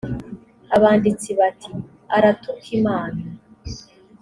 abanditsi bati aratuka imana